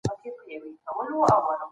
او زموږ د اقتصاد ستون دی